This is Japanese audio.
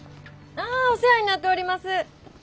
ああお世話になっております。